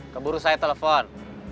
keburu saya telepon